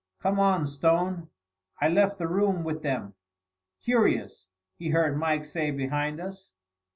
"Come on, Stone." I left the room with them. "Curious!" he heard Mike say behind us.